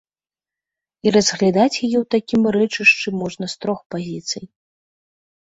І разглядаць яе ў такім рэчышчы можна з трох пазіцый.